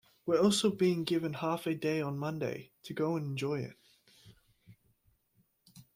We're also being given a half day on Monday to go and enjoy it.